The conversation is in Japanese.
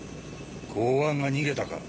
公安が逃げたか？